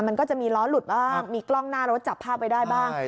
มันก็จะมีล้อหลุดบ้างมีกล้องหน้ารถจับภาพไว้ได้บ้าง